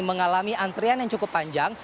mengalami antrian yang cukup panjang